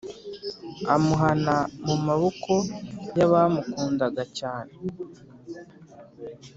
Amuhana mu maboko y’abamukundaga cyane